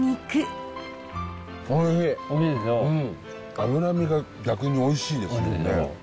脂身が逆においしいですね。